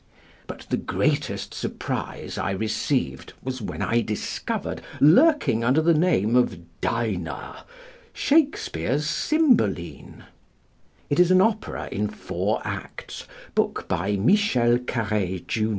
But the greatest surprise I received was when I discovered, lurking under the name of Dinah, Shakespeare's Cymbeline! It is an opera in four acts, book by Michel Carré, jun.